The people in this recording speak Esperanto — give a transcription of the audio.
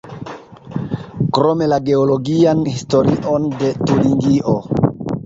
Krome la geologian historion de Turingio.